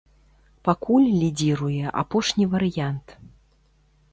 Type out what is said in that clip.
Пакуль лідзіруе апошні варыянт.